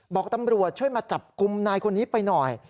บอกตำรวจช่วยมาจับกลุ่มนายคนนี้ไปหน่อย